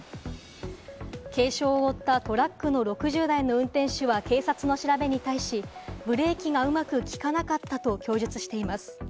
軽傷を負ったトラックの６０代の運転手は警察の調べに対し、ブレーキがうまく利かなかったと供述しています。